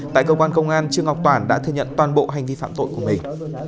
tại cơ quan công an trương ngọc toản đã thừa nhận toàn bộ hành vi phạm tội của mình